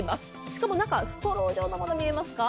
しかも中はストロー状のもの見えますか。